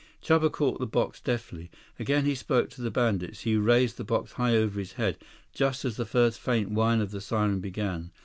Chuba caught the box deftly. Again he spoke to the bandits. He raised the box high over his head, just as the first faint whine of the siren began.